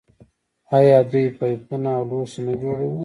آیا دوی پایپونه او لوښي نه جوړوي؟